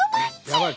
やばい